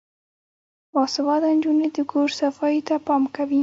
باسواده نجونې د کور صفايي ته پام کوي.